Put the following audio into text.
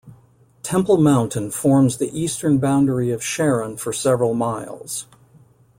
Temple Mountain forms the eastern boundary of Sharon for several miles.